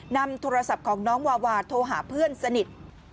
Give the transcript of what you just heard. นำโทรศัพท์ของน้องวาวาโทรหาเพื่อนสนิท